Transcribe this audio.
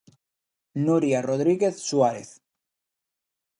Nuria Rodríguez Suárez.